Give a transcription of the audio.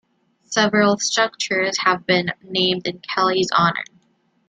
Several structures have been named in Kelley's honor.